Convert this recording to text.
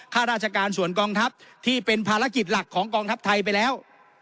ข้าราชการส่วนกองทัพที่เป็นภารกิจหลักของกองทัพไทยไปแล้ว